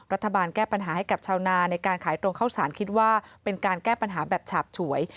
รัฐบาลแก้ปัญหาให้กับชาวนาในการขายตรงเข้าสารคิดว่าเป็นการแก้ปัญหาแบบฉาบฉวย